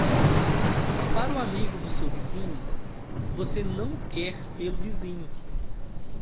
Para o amigo do seu vinho você não o quer pelo vizinho.